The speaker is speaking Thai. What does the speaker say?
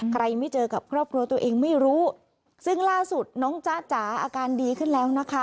ไม่เจอกับครอบครัวตัวเองไม่รู้ซึ่งล่าสุดน้องจ๊ะจ๋าอาการดีขึ้นแล้วนะคะ